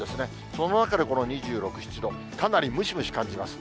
その中でこの２６、７度、かなりムシムシ感じます。